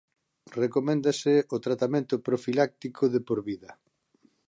Recoméndase o tratamento profiláctico de por vida.